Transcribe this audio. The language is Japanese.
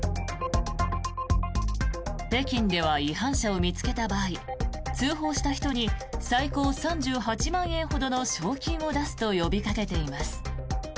北京では違反者を見つけた場合通報した人に最高３８万円ほどの賞金を出すと呼びかけています。